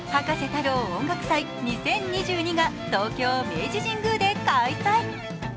太郎音楽祭２０２２が東京・明治神宮で開催。